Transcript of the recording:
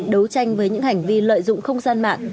đấu tranh với những hành vi lợi dụng không gian mạng